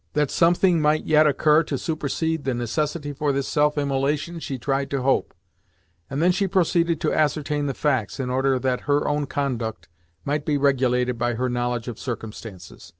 That something might yet occur to supersede the necessity for this self immolation she tried to hope, and then she proceeded to ascertain the facts in order that her own conduct might be regulated by her knowledge of circumstances.